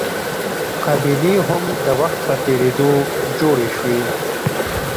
قبیلې هم د وخت په تېرېدو جوړې شوې.